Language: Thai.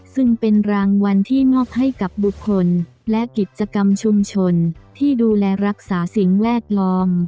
ซึ่งเป็นรางวัลที่มอบให้กับบุคคลและกิจกรรมชุมชนที่ดูแลรักษาสิ่งแวดล้อม